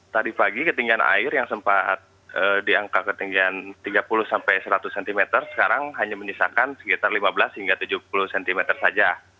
tadi pagi ketinggian air yang sempat di angka ketinggian tiga puluh sampai seratus cm sekarang hanya menyisakan sekitar lima belas hingga tujuh puluh cm saja